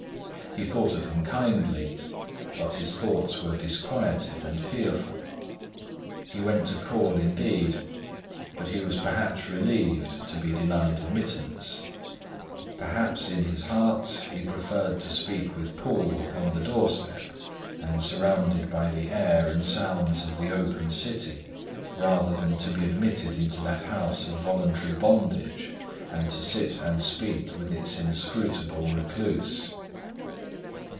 He thought of him kindly; but his thoughts were disquieted and fearful. He went to call indeed; but he was perhaps relieved to be denied admittance; perhaps, in his heart, he preferred to speak with Poole upon the doorstep and surrounded by the air and sounds of the open city, rather than to be admitted into that house of voluntary bondage, and to sit and speak with its inscrutable recluse.